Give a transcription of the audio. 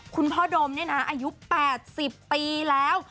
คุณพ่อดมเนี่ยนะอายุ๘๐ปีแล้ว